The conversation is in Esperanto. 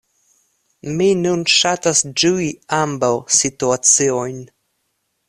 Mi nun ŝatas ĝui ambaŭ situaciojn.